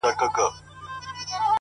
زۀ هسې نصيحت درته مدام کؤم ضمير يم